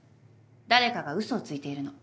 誰かが嘘をついているの。